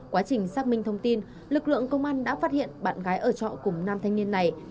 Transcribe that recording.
quá trình xác minh thông tin lực lượng công an đã phát hiện bạn gái ở trọ cùng nam thanh niên này